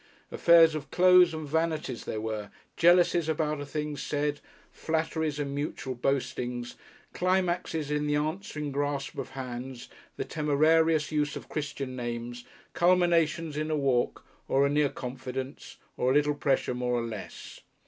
Affairs of clothes and vanities they were, jealousies about a thing said, flatteries and mutual boastings, climaxes in the answering grasp of hands, the temerarious use of Christian names, culminations in a walk, or a near confidence, or a little pressure more or less.